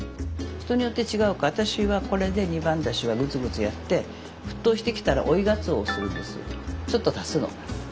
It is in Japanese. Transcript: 人によって違うけど私はこれで二番だしはぐつぐつやって沸騰してきたら追いがつおをするんですよちょっと足すの。